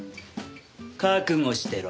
覚悟してろ。